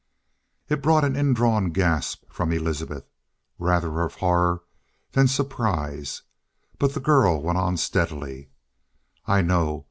It brought an indrawn gasp from Elizabeth. Rather of horror than surprise. But the girl went on steadily: "I know.